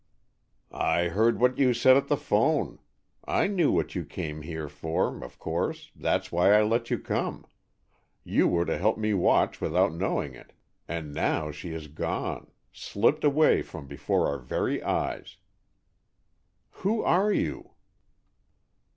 "I heard what you said at the 'phone. I knew what you came here for, of course, that's why I let you come, you were to help me watch without knowing it, and now she has gone, slipped away before our very eyes, " "Who are you?"